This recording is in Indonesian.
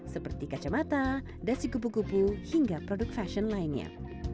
seperti kacamata dasi kupu kupu hingga produk fashion lainnya